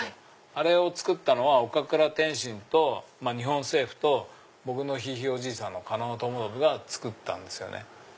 あれをつくったのは岡倉天心と日本政府と僕のひいひいおじいさんの狩野友信がつくったんですよね。